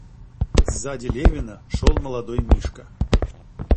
Сзади Левина шел молодой Мишка.